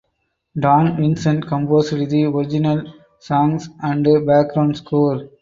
Dawn Vincent composed the original songs and background score.